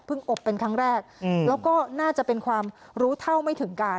อบเป็นครั้งแรกแล้วก็น่าจะเป็นความรู้เท่าไม่ถึงการ